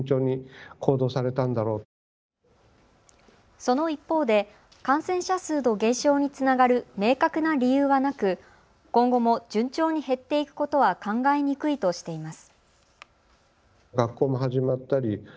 その一方で感染者数の減少につながる明確な理由はなく今後も順調に減っていくことは考えにくいとしています。